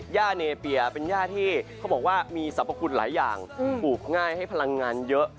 ย่าเนเปียเป็นย่าที่เขาบอกว่ามีสรรพคุณหลายอย่างปลูกง่ายให้พลังงานเยอะ